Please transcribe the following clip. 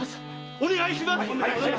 お願いします！